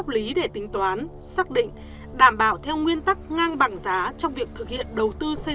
lý để tính toán xác định đảm bảo theo nguyên tắc ngang bằng giá trong việc thực hiện đầu tư xây